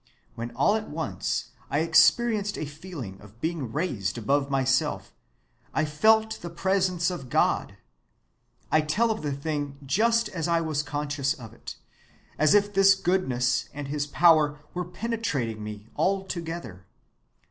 When all at once I experienced a feeling of being raised above myself, I felt the presence of God—I tell of the thing just as I was conscious of it—as if his goodness and his power were penetrating me altogether.